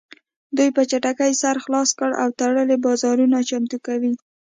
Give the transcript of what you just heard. دوی په چټکۍ سره خلاص او تړلي بازارونه چمتو کوي